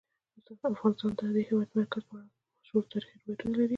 افغانستان د د هېواد مرکز په اړه مشهور تاریخی روایتونه لري.